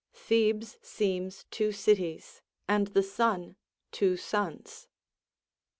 "Thebes seems two cities, and the sun two suns."